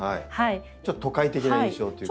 ちょっと都会的な印象というか。